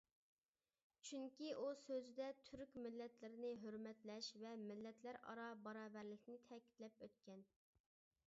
چۈنكى ئۇ سۆزىدە تۈرك مىللەتلىرىنى ھۆرمەتلەش ۋە مىللەتلەر ئارا باراۋەرلىكنى تەكىتلەپ ئۆتكەن.